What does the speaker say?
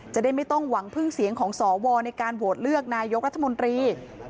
จะได้ไม่ต้องหวังพึ่งเสียงของสวในการโหวตเลือกนายกรัฐมนตรี